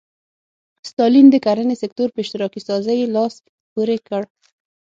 ستالین د کرنې سکتور په اشتراکي سازۍ لاس پورې کړ.